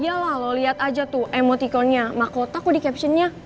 iya lah lo liat aja tuh emoticonnya makota kok dicaptionnya